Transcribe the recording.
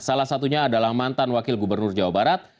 salah satunya adalah mantan wakil gubernur jawa barat